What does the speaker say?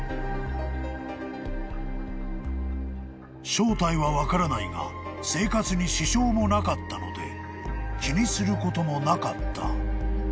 ［正体は分からないが生活に支障もなかったので気にすることもなかった］